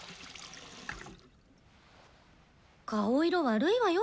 顔色悪いわよ